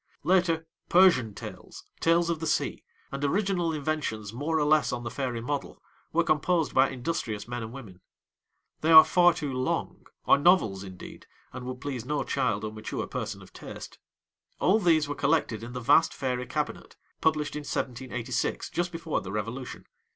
Later, Persian Tales, Tales of the Sea, and original inventions, more or less on the fairy model, were composed by industrious men and women. They are far too long are novels, indeed, and would please no child or mature person of taste. All these were collected in the vast Fairy Cabinet, published in 1786, just before the Revolution.